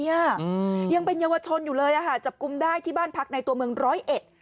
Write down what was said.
ยังเป็นเยาวชนอยู่เลยอ่ะค่ะจับกลุ่มได้ที่บ้านพักในตัวเมืองร้อยเอ็ด